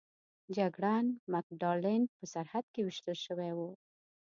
جګړن مک ډانلډ په سرحد کې ویشتل شوی و.